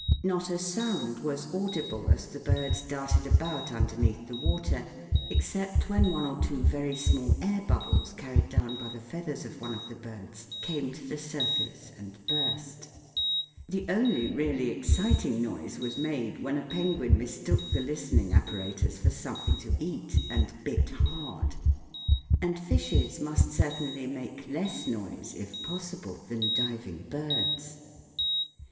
Not a sound was audible as the birds darted about underneath the water, except when one or two very small air bubbles, carried down by the feathers of one of the birds, came to the surface and burst. The only really exciting noise was made when a penguin mistook the listening apparatus for something to eat and bit hard ! And fishes must certainly make less noise, if possible, than diving birds.